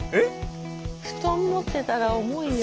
布団持ってたら重いよ。